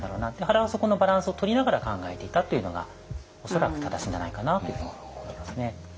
原はそこのバランスをとりながら考えていたというのが恐らく正しいんじゃないかなっていうふうに思ってますね。